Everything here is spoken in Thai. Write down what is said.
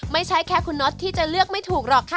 ไม่ใช่แค่คุณน็อตที่จะเลือกไม่ถูกหรอกค่ะ